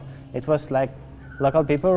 orang asing menghargainya